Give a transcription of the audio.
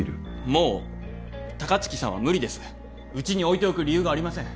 もう高槻さんは無理ですうちにおいておく理由がありません